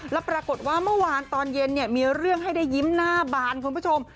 แล้วปรากฏว่าเมื่อวานตอนเย็นมีเรื่องให้ได้ยิ้มหน้าบานคุณผู้ชม